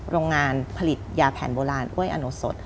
โรงงานผลิตยาแผนโบราณอ้วยอโนสด